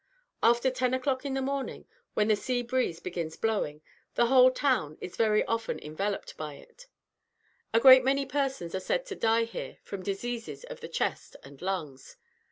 After 10 o'clock in the morning, when the sea breeze begins blowing, the whole town is very often enveloped by it. A great many persons are said to die here from diseases of the chest and lungs.